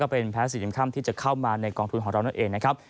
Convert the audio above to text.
เป็นแพ้สีน้ำค่ำที่จะเข้ามาในกองทุนของเรานั่นเองนะครับ